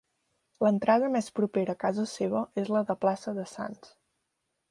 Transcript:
L'entrada més propera a casa seva és la de plaça de Sants.